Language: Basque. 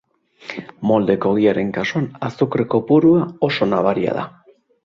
Moldeko ogiaren kasuan, azukre kopurua oso nabaria da.